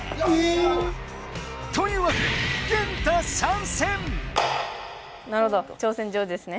というわけでなるほど挑戦状ですね。